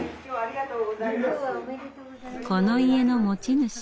この家の持ち主